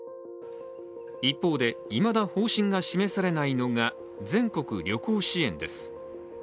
一方で、いまだ方針が示されないのが全国旅行支援です。